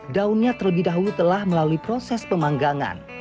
daunnya terlebih dahulu telah melalui proses pemanggangan